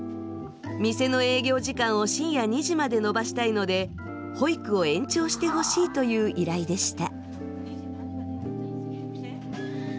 店の営業時間を深夜２時まで延ばしたいので保育を延長してほしいという依頼でした。